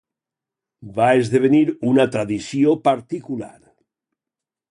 Va esdevenir una tradició particular.